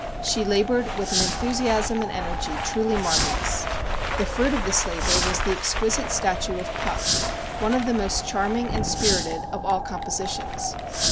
She labored with an enthusiasm and energy truly marvellous. The fruit of this labor was the exquisite statue of " Puck" вҖ" one of the most charm ing and spirited of all compositions.